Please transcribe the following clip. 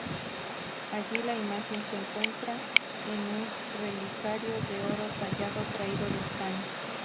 Allí la imagen se encuentra en un relicario de Oro tallado, traído de España.